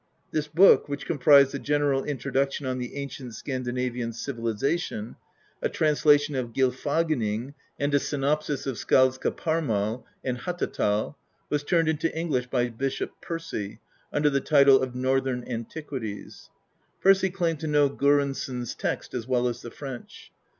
This book, which comprised a general introduction on the ancient Scandinavian civilization, a translation of Gylfa gmning^ and a synopsis of Skalds kaparmal and Hattatal^ was turned into English by Bishop Percy, under the title oi Northern Antiquities, Percy claimed to know Goransson's text as well as the French.